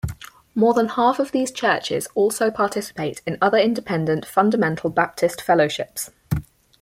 More than half of these churches also participate in other independent fundamental Baptist fellowships.